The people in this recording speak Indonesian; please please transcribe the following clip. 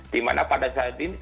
dimana pada saat ini